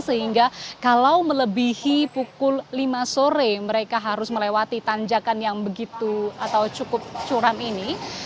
sehingga kalau melebihi pukul lima sore mereka harus melewati tanjakan yang begitu atau cukup curam ini